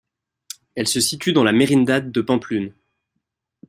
Elle se situe dans la Merindad de Pampelune.